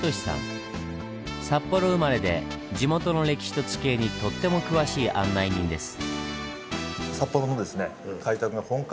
札幌生まれで地元の歴史と地形にとっても詳しい案内人です。